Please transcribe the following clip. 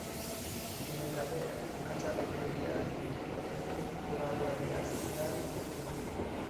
বিনয় কাঁধে একখানা চাদর লইয়া দ্রুতপদে গোরার বাড়ি আসিয়া উপস্থিত হইল।